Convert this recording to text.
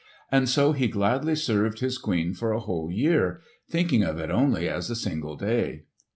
And so he gladly served his queen for a whole year, thinking of it only as a single day.